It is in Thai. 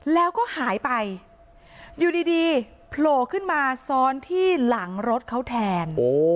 แล้วก็หายไปอยู่ดีโผล่ขึ้นมาซ้อนที่หลังรถเขาแทน